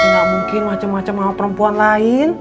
neng ga mungkin macam macam sama perempuan lain